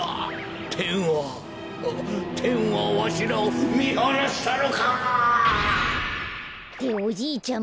てんはてんはわしらをみはなしたのか！っておじいちゃん